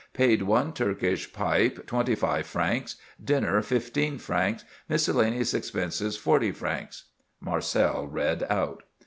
Paid, one Turkish pipe, twenty five francs; dinner, fifteen francs; miscellaneous expenses, forty francs," Marcel read out.